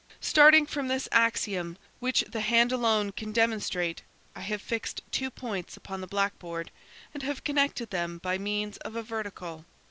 "Starting from this axiom, which the hand alone can demonstrate, I have fixed two points upon the blackboard and have connected them by means of a vertical.